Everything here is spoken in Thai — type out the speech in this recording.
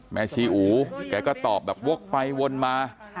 ชีอูแกก็ตอบแบบวกไปวนมา